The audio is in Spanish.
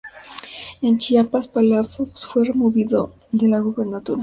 En Chiapas, Palafox fue removido de la gubernatura.